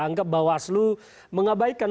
anggap bawaslu mengabaikan